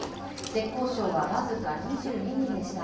浙江省は僅か２２人でした。